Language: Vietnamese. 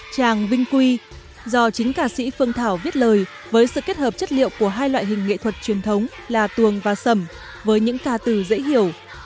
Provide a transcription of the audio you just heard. tràng vinh quy do chính ca sĩ phương thảo viết lời với sự kết hợp chất liệu của hai loại hình nghệ thuật truyền thống là tuồng và sầm với những ca từ dễ hiểu